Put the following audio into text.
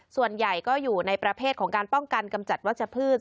ส่วนใหญ่ก็อยู่ในประเภทของการป้องกันกำจัดวัชพืช